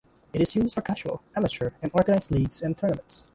It is used for casual, amateur and organised leagues and tournaments.